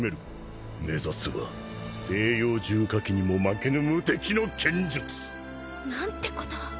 目指すは西洋重火器にも負けぬ無敵の剣術。なんてことを。